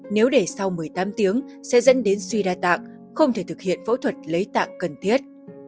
nếu để sau một mươi tám tiếng sẽ dẫn đến suy đa tạng không thể thực hiện phẫu thuật lấy tạng cần thiết